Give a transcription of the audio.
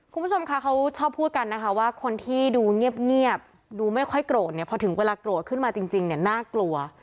คุณผู้ชมคะเขาชอบพูดกันนะคะว่าคนที่ดูเงียบดูไม่ค่อยโกรธเนี่ยพอถึงเวลาโกรธขึ้นมาจริงเนี่ยน่ากลัว